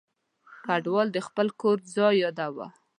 کډوال د خپل کور ځای یاداوه.